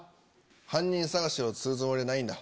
犯人捜しをするつもりはないんだ。